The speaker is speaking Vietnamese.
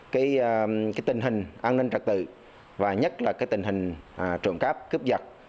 cái tình hình an ninh trật tự và nhất là cái tình hình trọng cáp cướp giặt